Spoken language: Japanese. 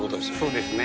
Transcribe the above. そうですね。